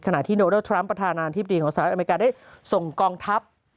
ขณะที่โนเดอร์ทรัมป์ประธานาธิบดีของสหรัฐอเมริกาได้ส่งกองทัพ